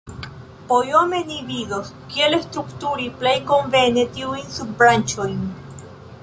Poiome ni vidos, kiel strukturi plej konvene tiujn subbranĉojn.